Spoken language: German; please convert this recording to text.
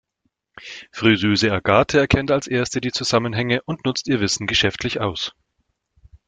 Friseuse Agathe erkennt als erste die Zusammenhänge und nutzt ihr Wissen geschäftlich aus.